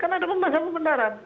kan ada pembahasan kebenaran